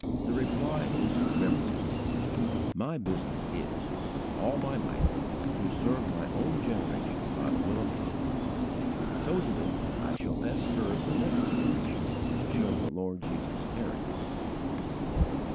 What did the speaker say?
_ The reply is memorable: "My business is, with all my might, to serve my own generation by the will of God: in so doing I shall best serve the next generation, should the Lord Jesus tarry."